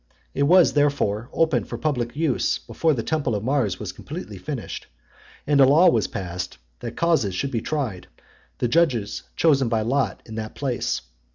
It was therefore opened for public use before the temple of Mars was completely finished; and a law was passed, that causes should be tried, and judges chosen by lot, in that place.